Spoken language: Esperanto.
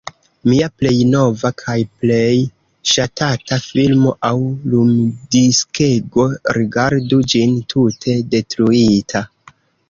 Mia plej nova kaj plej ŝatata filmo aŭ lumdiskego, rigardu ĝin: tute detruita.